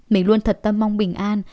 mình luôn thật tâm mong bình an